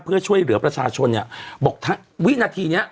เพื่อช่วยเหลือประชาชนเนี่ยบอกวินาทีเนี้ย